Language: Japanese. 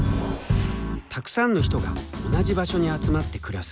たくさんの人が同じ場所に集まって暮らす。